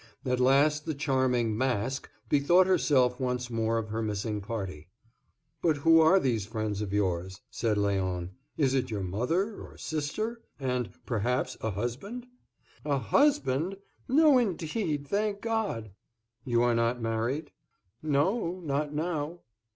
At last the charming Mask bethought herself once more of her missing party. "But who are these friends of yours?" said Léon. "Is it your mother, or sister? And, perhaps, a husband?" "A husband? No, indeed, thank God!" "You are not married?" "No, not now."